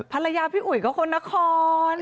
ภรรยาพี่อุ๋ยก็คนนคร